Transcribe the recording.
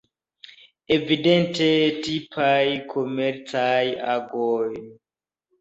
Evidente tipaj komercaj agoj.